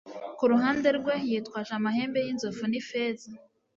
Kuruhande rwe, yitwaje amahembe y'inzovu n'ifeza.